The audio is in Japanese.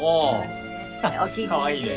おかわいいね。